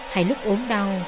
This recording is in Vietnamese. hay lúc ốm đau